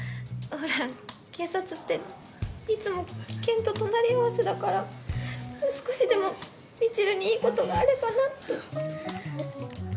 ほら警察っていつも危険と隣り合わせだから少しでも満にいい事があればなって。